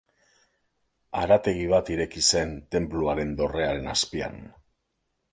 Harategi bat ireki zen tenpluaren dorrearen azpian.